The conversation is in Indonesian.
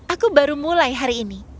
aku baru mulai hari ini